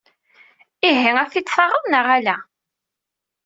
Ihi, ad t-id-taɣeḍ neɣ ala?